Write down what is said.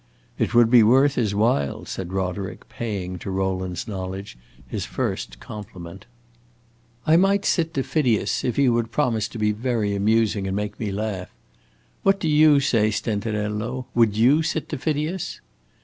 "It would be worth his while," said Roderick, paying, to Rowland's knowledge, his first compliment. "I might sit to Phidias, if he would promise to be very amusing and make me laugh. What do you say, Stenterello? would you sit to Phidias?"